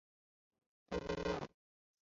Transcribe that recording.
戈塞尔曼。